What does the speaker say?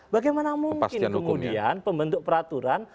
bagaimana mungkin kemudian pembentuk peraturan